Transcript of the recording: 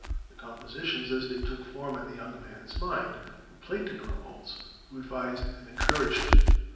The compositions as they took form in the young man's mind, were played to Krumpholz, who advised and encouraged him.